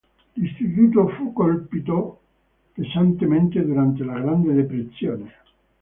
L'istituto fu colpito pesantemente durante la Grande Depressione.